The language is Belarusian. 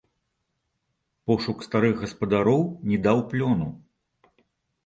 Пошук старых гаспадароў не даў плёну.